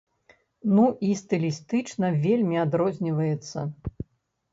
Ну, і стылістычна вельмі адрозніваецца.